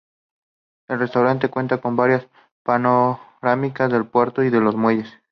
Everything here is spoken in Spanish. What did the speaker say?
El restaurante cuenta con vistas panorámicas del puerto y de los muelles.